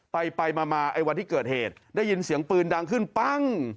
ไปไปมาไอ้วันที่เกิดเหตุได้ยินเสียงปืนดังขึ้นปั้ง